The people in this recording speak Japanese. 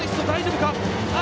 大丈夫か。